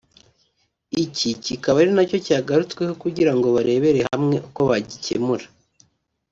iki kikaba ari nacyo cyagarutsweho kugira ngo barebere hamwe uko bagikemura